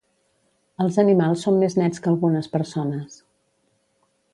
Els animals són més nets que algunes persones